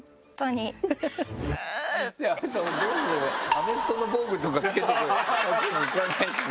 アメフトの防具とか着けてくわけにいかないしね。